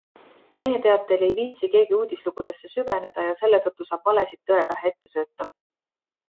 Mehe teatel ei viitsi keegi uudislugudesse süveneda ja selle tõttu saab valesid tõe pähe ette sööta.